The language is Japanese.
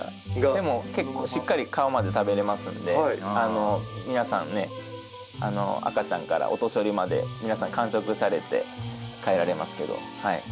でも結構しっかり皮まで食べれますんで皆さんね赤ちゃんからお年寄りまで皆さん完食されて帰られますけどはい。